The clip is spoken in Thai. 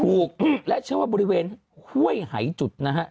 และเชื่อว่าบริเวณห้วยหายจุดนะฮะ